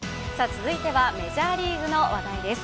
続いてはメジャーリーグの話題です。